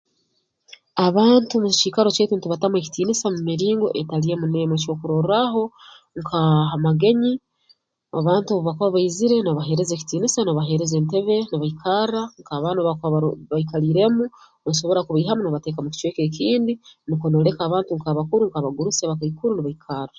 Abantu mu kiikaro kyaitu ntubateekamu ekitiinisa mu miringo etali emu n'emu eky'okurorraaho nkaa ha magenyi abantu obu bakuba baizire noobaheereza ekitiinisa n'obaheereza entebe nibaikarra nk'abaana obu bakuba ba baikaliireemu osobora kubaihamu noobateeka mu kicweka kindi nukwo nooleka abantu nk'abakuru nk'abagurusi abakaikuru nibaikarra